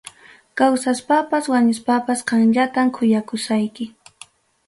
Kawsaspapas wañuspapas qamllatam kuyakusayki.